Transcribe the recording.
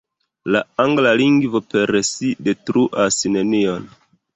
La angla lingvo per si detruas nenion.